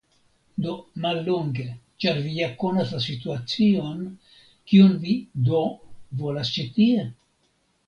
Do, mallonge, ĉar vi ja konas la situacion, kion vi do volas ĉi tie?